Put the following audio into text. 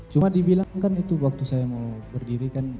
cuma dibilang kan itu waktu saya mau berdiri kan